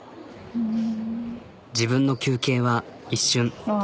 自分の休憩は一瞬。